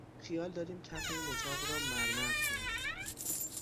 خیال داریم کف این اتاق را مرمر کنیم.